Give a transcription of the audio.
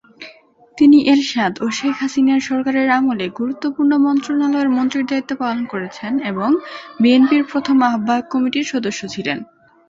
তিনি এরশাদ ও শেখ হাসিনার সরকারের আমলে গুরুত্বপূর্ণ মন্ত্রণালয়ের মন্ত্রীর দায়িত্ব পালন করেছেন এবং বিএনপির প্রথম আহ্বায়ক কমিটির সদস্য ছিলেন।